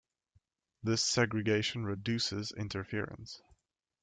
This segregation reduces interference.